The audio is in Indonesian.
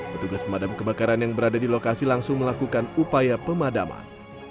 petugas pemadam kebakaran yang berada di lokasi langsung melakukan upaya pemadaman